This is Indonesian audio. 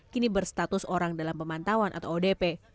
kini berstatus orang dalam pemantauan atau odp